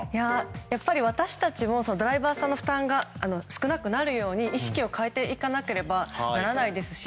やっぱり、私たちもドライバーさんの負担が少なくなるように意識を変えていかなければならないですし